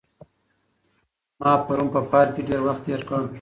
ما پرون په پارک کې ډېر وخت تېر کړ.